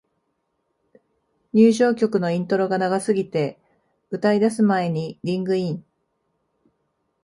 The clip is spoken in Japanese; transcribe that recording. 入場曲のイントロが長すぎて、歌い出す前にリングイン